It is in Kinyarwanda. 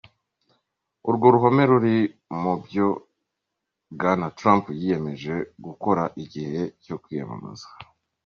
Urwo ruhome ruri mu vyo Bwana Trump yiyemeje gukora igihe co kwiyamamaza.